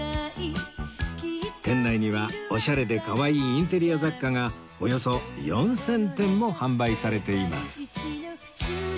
店内にはオシャレでかわいいインテリア雑貨がおよそ４０００点も販売されています